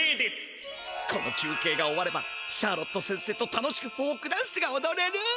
この休けいが終わればシャーロット先生と楽しくフォークダンスがおどれる！